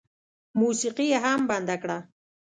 موسيقي یې هم بنده کړه.